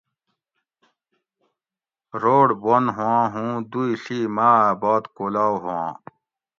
روڑ بند ہُواں ہوں دوئ ݪی ماٞ اٞ باد کولاؤ ہُواں